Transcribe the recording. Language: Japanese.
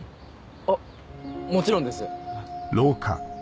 あっもちろんです。